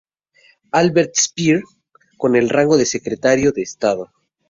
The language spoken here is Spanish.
Albert Speer con el rango de Secretario de Estado.